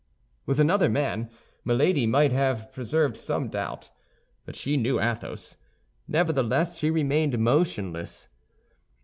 With another man, Milady might have preserved some doubt; but she knew Athos. Nevertheless, she remained motionless.